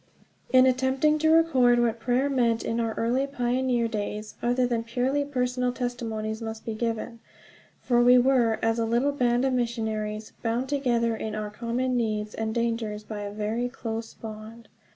IN ATTEMPTING to record what prayer meant in our early pioneer days, other than purely personal testimonies must be given; for we were, as a little band of missionaries, bound together in our common needs and dangers by a very close bond.